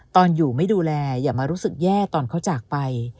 ตอนอยู่ไม่ดูแลอย่ามารู้สึกแย่ตอนเขาจากไป